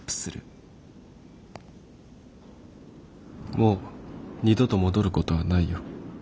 ・「もう二度と戻ることはないよ